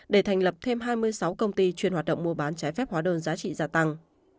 để thành lập thêm hai mươi sáu công ty chuyên hoạt động mua bán trái phép hóa đơn giá trị gia tăng